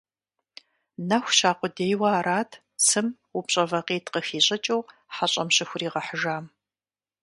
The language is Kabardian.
Нэху ща къудейуэ арат цым упщӀэ вакъитӀ къыхищӀыкӀыу хьэщӀэм щыхуригъэхьыжам.